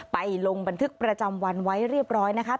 ลงบันทึกประจำวันไว้เรียบร้อยนะคะ